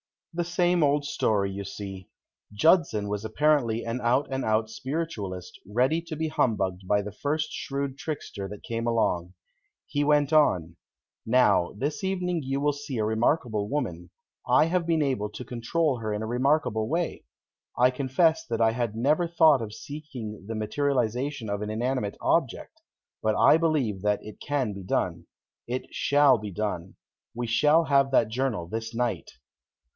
The same old story you see. Judson was apparently an out and out Spiritualist, ready to be humbugged by the first shrewd trickster that came along. He went on: "Now, this evening you will see a remarkable woman; I have been able to control her in a remarkable way. I confess that I had never thought of seeking the materialization of an inanimate object. But I believe that it can be done. It shall be done. We shall have that journal this night."